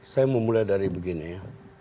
saya mau mulai dari begini ya